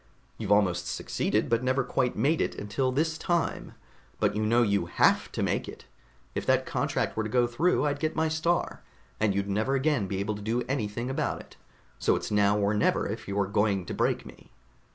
You've almost succeeded, but never quite made it until this time. But now you have to make it. If that contract were to go through I'd get my Star, and you'd never again be able to do anything about it. So it's now or never if you're going to break me."